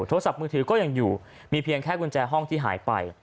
โทรศัพท์มือถือก็ยังอยู่มีเพียงแค่กุญแจห้องที่หายไป